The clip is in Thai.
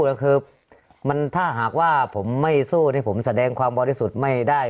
แล้วคือมันถ้าหากว่าผมไม่สู้ที่ผมแสดงความบริสุทธิ์ไม่ได้